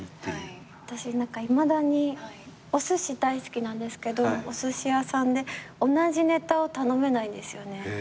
私いまだにおすし大好きなんですけどおすし屋さんで同じねたを頼めないんですよね。